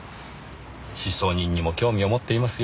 失踪人にも興味を持っていますよ。